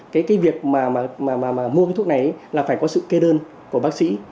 cái việc mà mua cái thuốc này là phải có sự kê đơn của bác sĩ